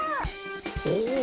お！